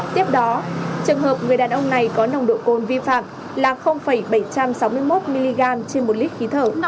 tiếp đó trường hợp người đàn ông này có nồng độ cồn vi phạm là bảy trăm sáu mươi một mg trên một lít khí thở